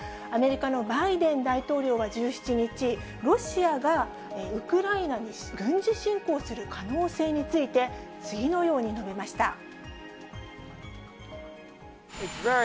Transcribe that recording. アメリカのバイデン大統領は１７日、ロシアがウクライナに軍事侵攻する可能性について、次のように述べました。